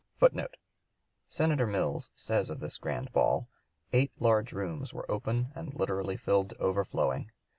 " [Footnote 5: Senator Mills says of this grand ball: "Eight large rooms were open and literally filled to overflowing.